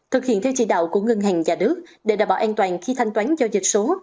thực hiện theo chỉ đạo của ngân hàng nhà nước để đảm bảo an toàn khi thanh toán giao dịch số